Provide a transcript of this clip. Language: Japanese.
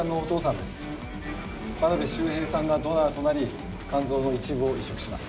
真鍋周平さんがドナーとなり肝臓の一部を移植します。